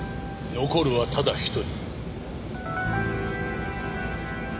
残るはただ１人。